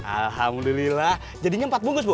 alhamdulillah jadinya empat bungkus bung